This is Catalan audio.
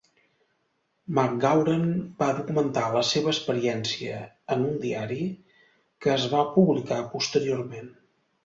McGauran va documentar la seva experiència en un diari que es va publicar posteriorment.